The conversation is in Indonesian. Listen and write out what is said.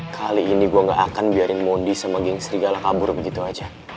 kali ini gue gak akan biarin modi sama geng serigala kabur begitu aja